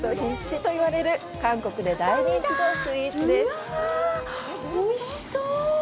うわあ、おいしそう！